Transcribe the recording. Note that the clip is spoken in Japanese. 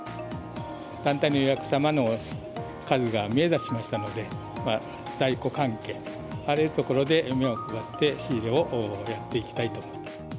団体のお客様の数が見えだしましたので、在庫関係、あらゆるところで目を配って仕入れをやっていきたいと。